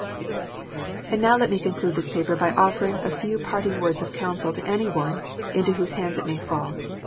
And now let me conclude this paper by offering a few part ing words of counsel to any one into whose hands it may fall.